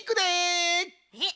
えっ！